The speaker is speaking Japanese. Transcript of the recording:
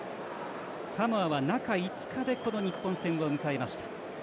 サモアは中５日で日本戦を迎えました。